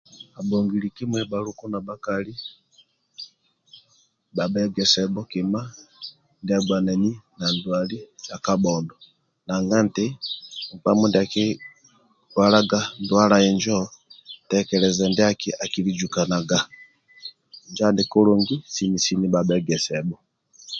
Abhongili kimui bhaluku na bhakali bhabhegesebhu kima ndia agbanani na ndwala sa kabhondo nanga nti nkpa mindia akilwalaga ndwala injo bitekelozo ndiaki akiluzukanaga injo andi kulungi bhabhuegesebhu